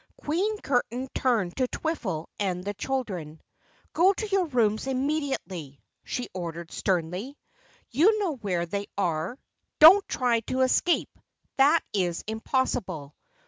Queen Curtain turned to Twiffle and the children. "Go to your rooms immediately," she ordered sternly. "You know where they are. Don't try to escape. That is impossible.